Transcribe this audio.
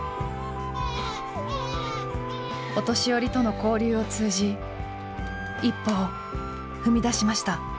お年寄りとの交流を通じ一歩を踏み出しました。